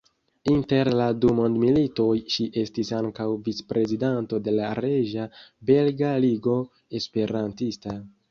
Inter la du mondmilitoj ŝi estis ankaŭ vicprezidanto de la Reĝa Belga Ligo Esperantista.